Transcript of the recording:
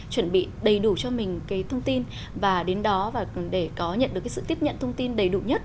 chuẩn bị đầy đủ cho mình cái thông tin và đến đó và để có nhận được cái sự tiếp nhận thông tin đầy đủ nhất